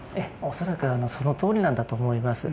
恐らくそのとおりなんだと思います。